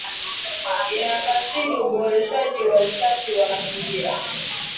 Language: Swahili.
Inafasili uboreshaji wa usafi wa mazingira